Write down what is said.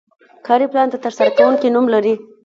کاري پلان د ترسره کوونکي نوم لري.